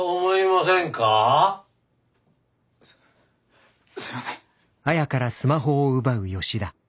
すすみません。